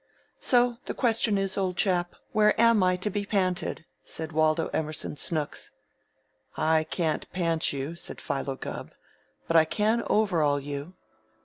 "So the question is, old chap, where am I to be panted?" said Waldo Emerson Snooks. "I can't pant you," said Philo Gubb, "but I can overall you."